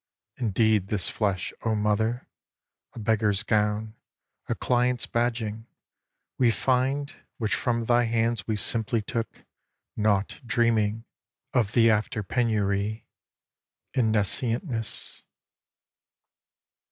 Indeed this flesh, O Mother, A beggar's gown, a client's badging, We find, which from thy hands we simply took, Naught dreaming of the after penury, In nescientness.